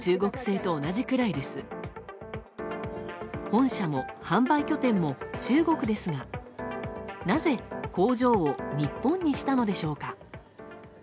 本社も販売拠点も中国ですがなぜ工場を日本にしたのでしょうか。